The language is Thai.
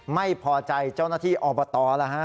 ไม่พอใจเจ้าหน้าที่อบตแล้วฮะ